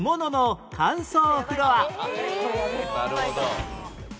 なるほど。